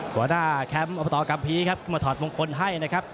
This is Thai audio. หัวหน้าแคมป์อบตกัมภีร์ครับขึ้นมาถอดมงคลให้นะครับ